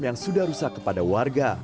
yang sudah rusak kepada warga